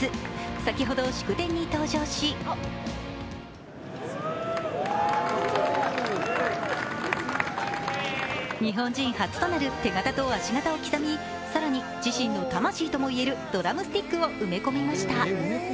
先ほど祝典に登場し、日本人初となる手形と足形を刻み、更に自身の魂ともいえるドラムスティックを埋め込みました。